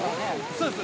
そうです。